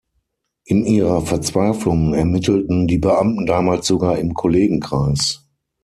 In ihrer Verzweiflung ermittelten die Beamten damals sogar im Kollegenkreis.